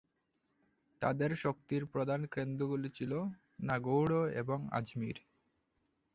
তাদের শক্তির প্রধান কেন্দ্রগুলি ছিল নাগৌড় এবং আজমির।